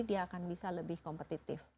dia akan bisa lebih kompetitif